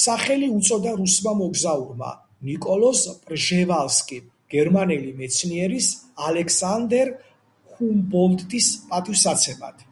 სახელი უწოდა რუსმა მოგზაურმა ნიკოლოზ პრჟევალსკიმ გერმანელი მეცნიერის ალექსანდერ ჰუმბოლდტის პატივსაცემად.